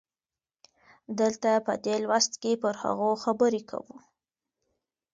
دلته په دې لوست کې پر هغو خبرې کوو.